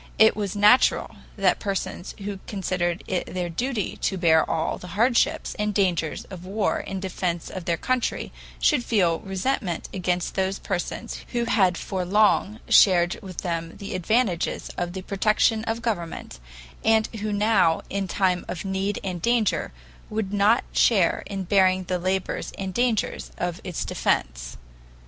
It was natural that persons who considered it their duty to bear all the hardships and dangers of war in defense of their country should feel resentment against those persons who had for long shared with them the advantages of the protection of government, and who now in time of need and danger would not share in bearing the labors and dangers of its defense.